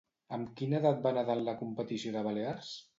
Amb quina edat va nedar en la competició de Balears?